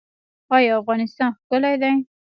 آیا افغانستان ښکلی دی؟